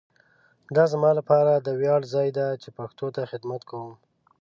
دا زما لپاره د ویاړ ځای دی چي پښتو ته خدمت کوؤم.